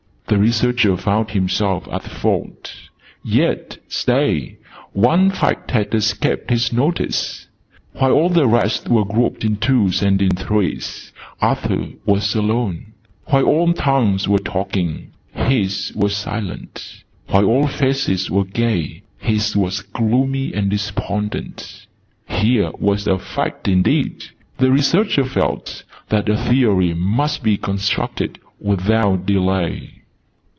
The Researcher found himself at fault. Yet stay! One Fact had escaped his notice. While all the rest were grouped in twos and in threes, Arthur was alone: while all tongues were talking, his was silent: while all faces were gay, his was gloomy and despondent. Here was a Fact indeed! The Researcher felt that a Theory must be constructed without delay.